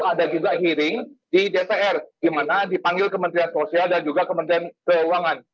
ada juga hearing di dpr gimana dipanggil kementerian sosial dan juga kementerian keuangan